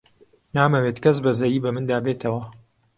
نامەوێت کەس بەزەیی بە مندا بێتەوە.